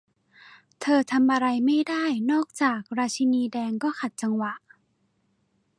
เธอทำอะไรไม่ได้นอกจาก 'ราชินีแดงก็ขัดจังหวะ